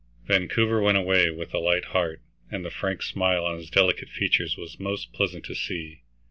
Vancouver went away with a light heart, and the frank smile on his delicate features was most pleasant to see.